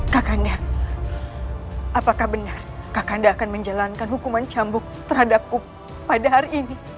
kakanda apakah benar kakanda akan menjalankan hukuman cambuk terhadapku pada hari ini